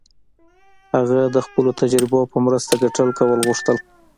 هغه د خپلو تجربو په مرسته ګټه کول غوښتل.